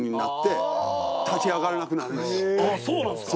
そうなんですか。